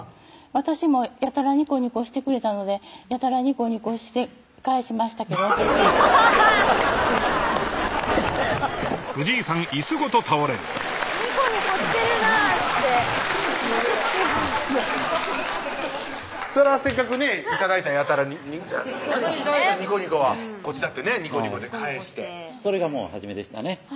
私もやたらニコニコしてくれたのでやたらニコニコして返しましたけどニコニコしてるなぁってそらせっかくね頂いたせっかく頂いたニコニコはこっちだってねニコニコで返してそれが初めでしたね